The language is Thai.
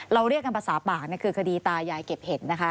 เรียกกันภาษาปากคือคดีตายายเก็บเห็ดนะคะ